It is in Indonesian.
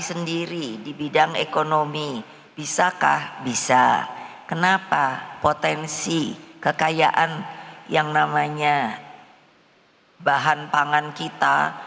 sendiri di bidang ekonomi bisakah bisa kenapa potensi kekayaan yang namanya bahan pangan kita